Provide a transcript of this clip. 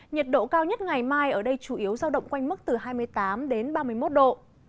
nhiệt độ cao nhất ngày mai ở đây chủ yếu giao động quanh mức từ hai mươi tám đến ba mươi một độ